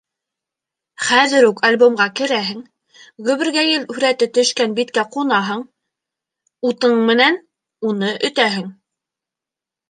— Хәҙер үк альбомға керәһең, Гөбөргәйел һүрәте төшкән биткә ҡунаһың, утың менән уны өтәһең!